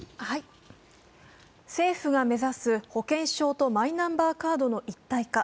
政府が目指す、保険証とマイナンバーカードの一体化。